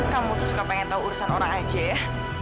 kamu tuh suka pengen tahu urusan orang aja ya